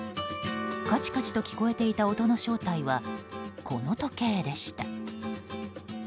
カチカチと聞こえていた音の正体は、この時計でした。